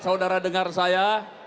saudara dengar saya